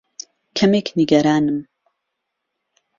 کەمێک نیگەرانم.